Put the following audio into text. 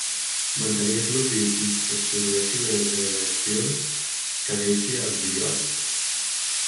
Mantenir-lo viu fins que es produeixi una degeneració que deixi els illots.